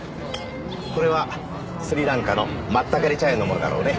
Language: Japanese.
これはスリランカのマッタケレ茶園のものだろうね。